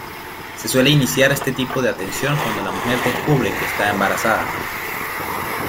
Se suele iniciar este tipo de atención cuando la mujer descubre que está embarazada.